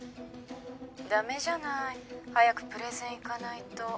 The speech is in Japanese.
ダメじゃない早くプレゼン行かないと。